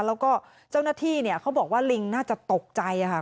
แล้วก็เจ้าหน้าที่เนี่ยเขาบอกว่าลิงน่าจะตกใจค่ะ